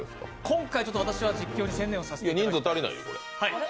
今回、私は実況に専念させていただきます。